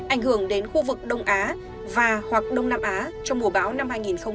ảnh hưởng đến khu vực đông á và hoặc đông nam á trong mùa báo năm hai nghìn hai mươi